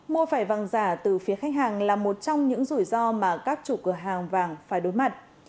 mua phải vàng giả từ phía khách hàng là một trong những rủi ro mà các chủ cửa hàng vàng phải đối mặt